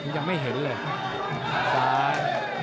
ยังไม่เห็นเลย